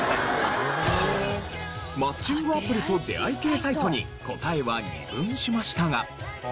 マッチングアプリと出会い系サイトに答えは二分しましたが。